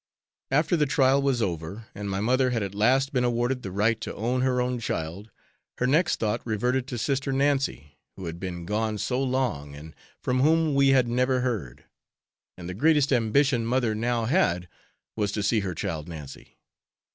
After the trial was over and my mother had at last been awarded the right to own her own child, her next thought reverted to sister Nancy, who had been gone so long, and from whom we had never heard, and the greatest ambition mother now had was to see her child Nancy.